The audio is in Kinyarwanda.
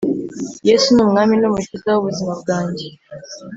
yesu numwami numukiza wubuzima bwanjye